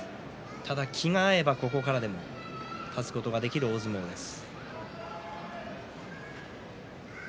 ただ気が合えば、ここからでも立つことができる大相撲です。